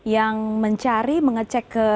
yang mencari mengecek ke